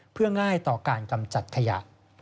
เพื่อง่ายต่อการกำจัดขยะ